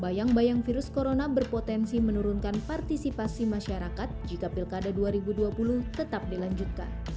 bayang bayang virus corona berpotensi menurunkan partisipasi masyarakat jika pilkada dua ribu dua puluh tetap dilanjutkan